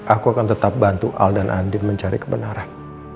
aku akan tetap bantu al dan andin mencari kebenaran